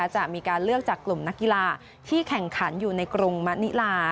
จะมีการเลือกจากกลุ่มนักกีฬาที่แข่งขันอยู่ในกรุงมะนิลา